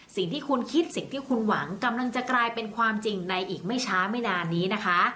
สิ่งที่คุณคิดสิ่งที่คุณหวังกำลังจะกลายเป็นความจริงในอีกไม่ช้าไม่นานนี้นะคะ